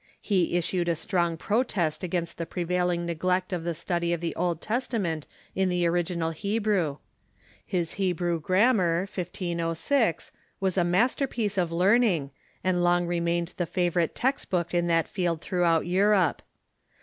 He issued a strong protest Erasmus ggainst the prevailing neglect of the study of the Old Testament in the original Hebrew. His Hebrew Gram mar, 1506, was a masterpiece of learning, and long remained the favorite text book in that field throughout Europe.